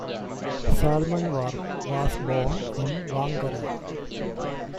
Salmon was born in Whangarei.